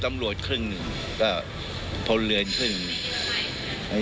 ก็ตำรวจครึ่งหนึ่งผลเลือนครึ่งหนึ่ง